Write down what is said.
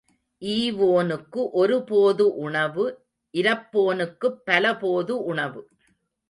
ஈவோனுக்கு ஒரு போது உணவு இரப்போனுக்குப் பல போது உணவு.